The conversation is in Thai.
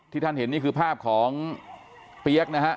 ท่านเห็นนี่คือภาพของเปี๊ยกนะฮะ